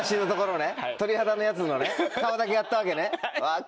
鳥肌のやつのね顔だけやったわけね。